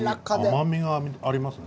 甘みがありますね。